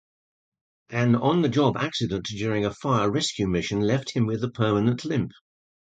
An on-the-job accident during a fire rescue mission left him with a permanent limp.